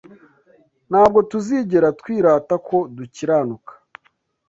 ntabwo tuzigera twirata ko dukiranuka